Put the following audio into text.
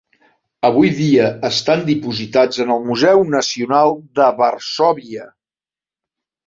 Avui dia estan depositats en el Museu Nacional de Varsòvia.